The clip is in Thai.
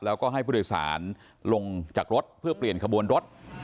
แล้วก็ให้ผู้โดยสารลงจากรถเพื่อเปลี่ยนขบวนรถ